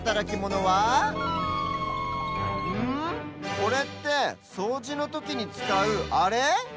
これってそうじのときにつかうあれ？